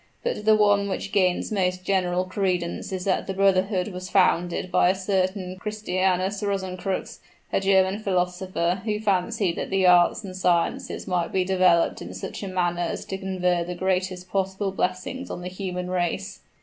But the one which gains most general credence is that the brotherhood was founded by a certain Christianus Rosencrux, a German philosopher, who fancied that the arts and sciences might be developed in such a manner as to confer the greatest possible blessings on the human race."